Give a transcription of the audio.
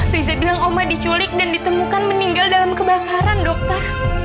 riza bilang oma diculik dan ditemukan meninggal dalam kebakaran dokter